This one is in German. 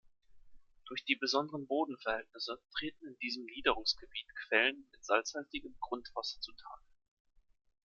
Durch die besonderen Bodenverhältnisse treten in diesem Niederungsgebiet Quellen mit salzhaltigem Grundwasser zu Tage.